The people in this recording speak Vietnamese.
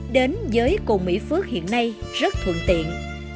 đến với cồn mỹ phước hiện nay rất thuận tiện